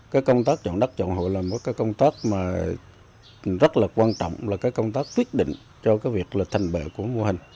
cái công tác chọn đất chọn hội là một cái công tác mà rất là quan trọng là cái công tác quyết định cho cái việc là thành bệ của mô hình